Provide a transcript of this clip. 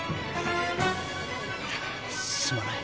すまない。